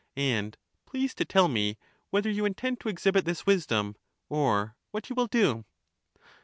And please to tell me whether you intend to exhibit this wisdom, or what you will do.